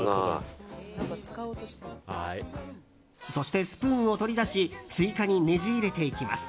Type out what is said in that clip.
そしてスプーンを取り出しスイカにねじ入れていきます。